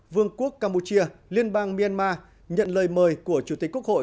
vương quốc campuchia liên bang myanmar nhận lời mời của chủ tịch quốc hội